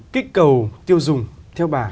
kích cầu tiêu dùng theo bà